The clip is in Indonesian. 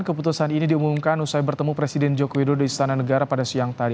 keputusan ini diumumkan usai bertemu presiden joko widodo di istana negara pada siang tadi